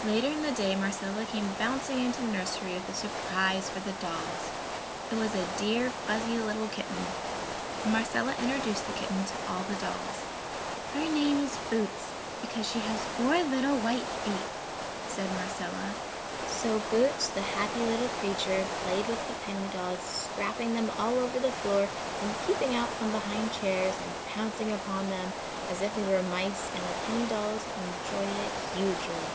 Later in the day Marcella came bouncing into the nursery with a surprise for the dolls. It was a dear fuzzy little kitten. Marcella introduced the kitten to all the dolls. "Her name is Boots, because she has four little white feet!" said Marcella. So Boots, the happy little creature, played with the penny dolls, scraping them over the floor and peeping out from behind chairs and pouncing upon them as if they were mice and the penny dolls enjoyed it hugely.